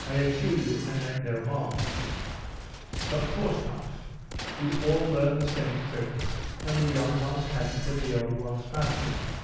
'I assure you I meant no harm.' 'Of course not; you all learn the same trick, and the young ones catch it of the old ones fast enough.